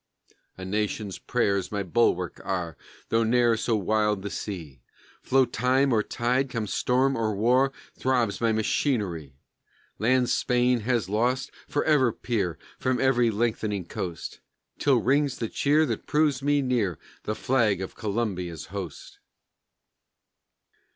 _ A nation's prayers my bulwark are Though ne'er so wild the sea; Flow time or tide, come storm or star, Throbs my machinery. Lands Spain has lost forever peer From every lengthening coast, Till rings the cheer that proves me near The flag of Columbia's host.